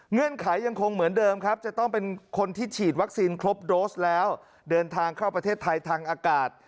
เงืนไขยังคงเหมือนเดิมครับจะต้องเป็นคนที่ฉีดวัคซีนครบโดสแล้วเดินทางเข้าประเทศไทยทางอากาศ